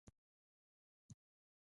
اوس یې لږ لږ اثار او نښې پاتې دي.